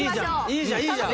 いいじゃんいいじゃん。